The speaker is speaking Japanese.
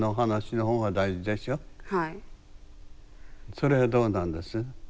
それはどうなんです？